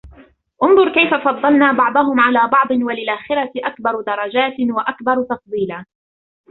انظر كيف فضلنا بعضهم على بعض وللآخرة أكبر درجات وأكبر تفضيلا